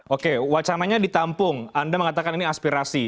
oke wacananya ditampung anda mengatakan ini aspirasi